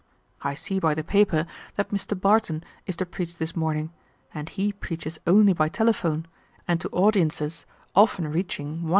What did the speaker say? I see by the paper that Mr. Barton is to preach this morning, and he preaches only by telephone, and to audiences often reaching 150,000."